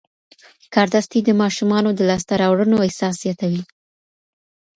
کاردستي د ماشومانو د لاسته راوړنو احساس زیاتوي.